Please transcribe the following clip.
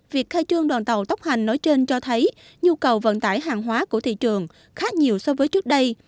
việc khai trương đoàn tàu tốc hành nói trên cho thấy nhu cầu vận tải hàng hóa của thị trường khá nhiều so với trước đây